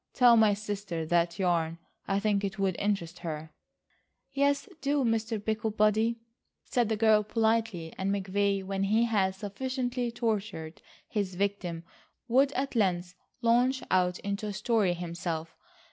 Tell my sister that yarn. I think it would interest her." "Yes, do, Mr. Picklebody," said the girl politely and McVay, when he had sufficiently tortured his victim, would at length launch out into a story himself.